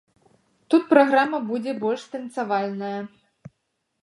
Тут праграма будзе больш танцавальная.